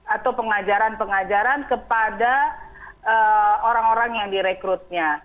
atau pengajaran pengajaran kepada orang orang yang direkrutnya